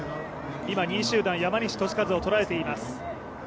今２位集団、山西利和を捉えています。